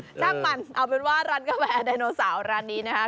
ดังหม่อนเอาเป็นว่าร้านกาแฟดายโนเสาร้านนี้นะคะ